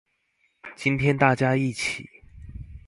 大家今天一起